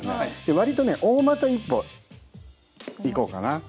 割とね大股一歩いこうかな。